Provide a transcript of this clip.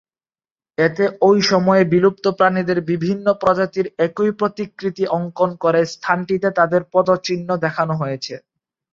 এতে ঐ সময়ে বিলুপ্ত প্রাণীদের বিভিন্ন প্রজাতির একই প্রতিকৃতি অঙ্কন করে স্থানটিতে তাদের পদচিহ্ন দেখানো হয়েছে।